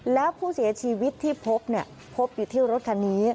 แล้วผู้เสียชีวิตที่พบพบอยู่ที่รถคันนี้